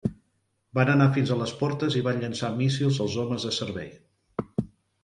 Van anar fins a les portes i van llançar míssils als homes de servei.